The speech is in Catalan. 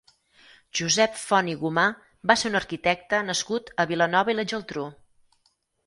Josep Font i Gumà va ser un arquitecte nascut a Vilanova i la Geltrú.